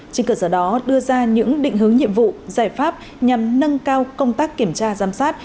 trên cơ sở đó đưa ra những định hướng nhiệm vụ giải pháp nhằm nâng cao công tác kiểm tra giám sát